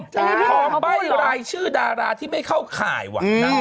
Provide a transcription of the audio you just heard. ขอใบ้รายชื่อดาราที่ไม่เข้าข่ายว่ะ